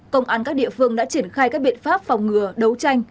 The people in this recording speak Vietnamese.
công an các địa phương đã triển khai các biện pháp phòng ngừa đấu tranh